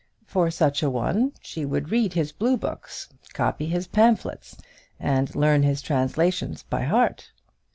For such a one she would read his blue books, copy his pamphlets, and learn his translations by heart.